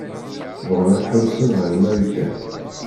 Bɣan ad ḥewwsen ar Marikan.